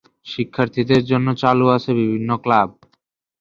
শিক্ষার্থীদের জন্য চালু আছে বিভিন্ন ক্লাব।